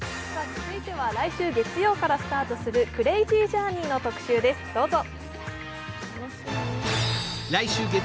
続いては、来週月曜からスタートする「クレイジージャーニー」の特集です、どうぞ。